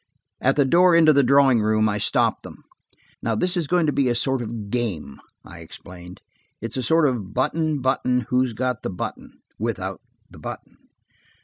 At the door into the drawing room I stopped them. "Now this is going to be a sort of game," I explained. "It's a sort of button, button, who's got the button, without the button.